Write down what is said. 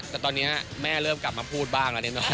แต่ตอนนี้แม่เริ่มกลับมาพูดบ้างแล้วได้น้อย